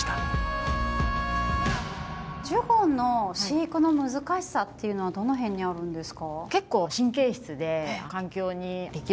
ジュゴンの飼育の難しさっていうのはどの辺にあるんですか？